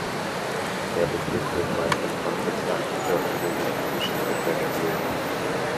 Der Begriff wird meist im Kontext antiker Philosophiegeschichte verwendet.